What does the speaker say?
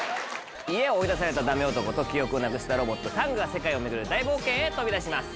家を追い出されたダメ男と記憶をなくしたロボットタングが世界を巡る大冒険へ飛び出します。